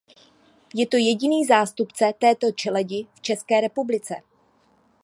Je to jediný zástupce této čeledi v České republice.